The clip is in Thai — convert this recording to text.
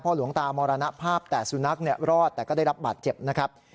หลวงตามรณภาพแต่สุนัขรอดแต่ก็ได้รับบาดเจ็บนะครับ